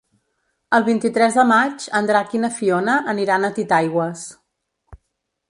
El vint-i-tres de maig en Drac i na Fiona aniran a Titaigües.